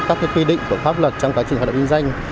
các quy định của pháp luật trong quá trình hoạt động kinh doanh